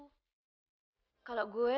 dan sekarang ini kita membutuhkan itu